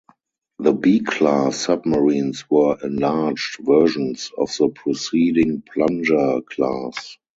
The B-class submarines were enlarged versions of the preceding "Plunger" class.